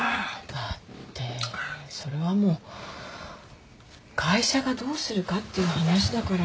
だってそれはもう会社がどうするかっていう話だから。